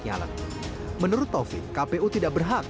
nyalet menurut taufik kpu tidak berhak